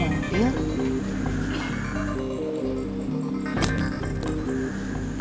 kayaknya aku denger suara mobil